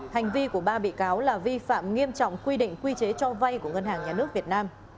hành vi của ba bị cáo là vi phạm nghiêm trọng quy định quy chế cho vay của ngân hàng nhà nước việt nam